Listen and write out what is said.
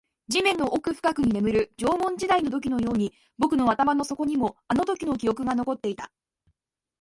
地面の奥深くに眠る縄文時代の土器のように、僕の頭の底にもあのときの記憶が残っていた